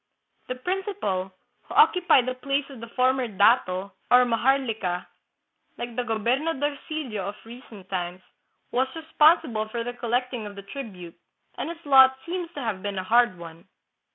The principal, who occupied the place of the former dato, or " maharlika," like the gobernadorcillo of recent times, was responsible for the collecting of the tribute, and his lot seems to have been a hard one.